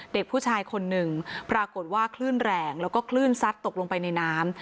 เด็กผู้ชาย๑พรากตว่าคลื่นแรงและคลื่นซัดตกลงไปในน้ำ